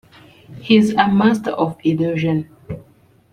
He is a master of illusion.